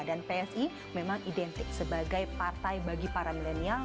dan psi memang identik sebagai partai bagi para milenial